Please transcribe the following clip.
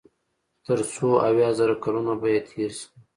تر څو اويا زره کلونه به ئې تېر شي